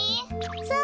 そう。